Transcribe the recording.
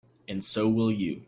And so will you.